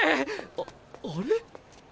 ああれ？